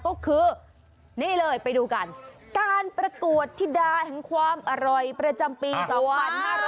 ก็คือนี่เลยไปดูกันการประกวดธิดาแห่งความอร่อยประจำปี๒๕๕๙